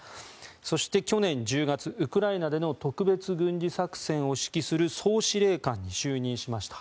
そして、去年１０月ウクライナでの特別軍事作戦を指揮する総司令官に就任しました。